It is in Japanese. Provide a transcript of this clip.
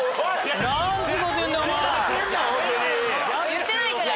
言ってないから私。